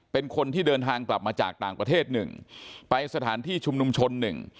เป็นคนที่เดินทางกลับมาจากต่างประเทศหนึ่งไปสถานที่ชุมนุมชนหนึ่ง